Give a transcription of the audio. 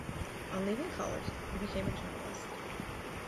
On leaving college, he became a journalist.